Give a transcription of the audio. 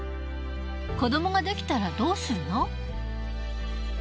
子どもが出来たらどうするの？